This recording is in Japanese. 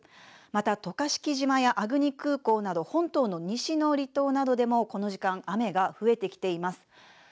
また渡嘉敷島や粟国空港など本島の西の離島などでもこの時間、雨が増えてきています。